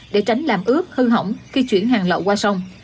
để tránh làm ướp hư hỏng khi chuyển hàng lậu qua sông